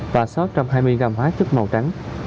và sáu trăm hai mươi gram hóa chất màu trắng